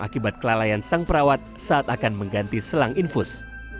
akibat kelalaian sang perawat saat akan mengganti selang infus